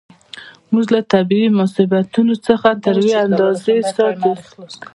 موږ له طبیعي مصیبتونو څخه تر یوې اندازې ساتي.